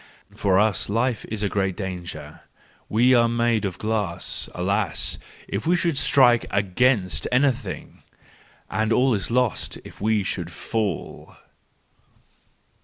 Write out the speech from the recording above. For us life is a greater danger: we are made of glass—alas, if we should strike against anything! And all is lost if we should fall!